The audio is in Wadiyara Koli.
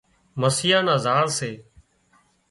مسيان نا زاۯ سي